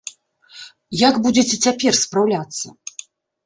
Як будзеце цяпер спраўляцца?